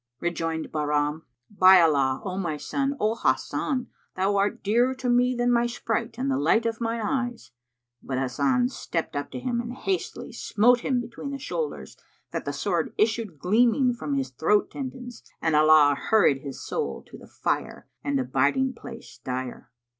Rejoined Bahram, "By Allah, O my son, O Hasan, thou art dearer to me than my sprite and the light of mine eyes!" But Hasan stepped up to him and hastily smote him between the shoulders, that the sword issued gleaming from his throat tendons and Allah hurried his soul to the fire, and abiding place dire.